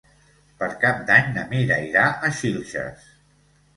Per Cap d'Any na Mira irà a Xilxes.